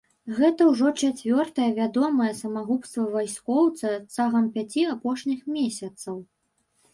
Гэта ўжо чацвёртае вядомае самагубства вайскоўца цягам пяці апошніх месяцаў.